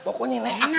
pokoknya leak bener